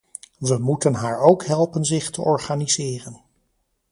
We moeten haar ook helpen zich te organiseren.